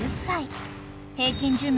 ［平均寿命